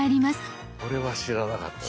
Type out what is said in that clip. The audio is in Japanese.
これは知らなかったぞ。